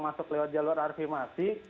masuk lewat jalur afirmasi